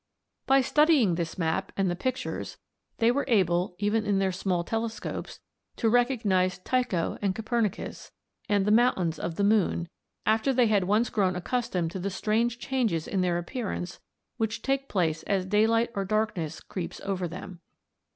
] By studying this map, and the pictures, they were able, even in their small telescopes, to recognise Tycho and Copernicus, and the mountains of the moon, after they had once grown accustomed to the strange changes in their appearance which take place as daylight or darkness creeps over them.